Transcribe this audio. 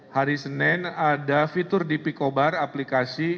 hari senin ada fitur di pikobar aplikasi